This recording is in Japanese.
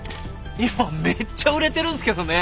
今めっちゃ売れてるんですけどね。